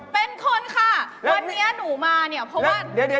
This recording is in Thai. เป็นคนค่ะวันนี้หนูมาเนี่ย